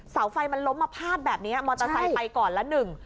เสาไฟมันล้มมาพาดแบบเนี้ยมอเตอร์ไซค์ไปก่อนละหนึ่ง